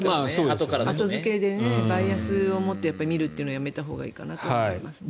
後付けでバイアスを持って見るというのはやめたほうがいいのかなと思いますね。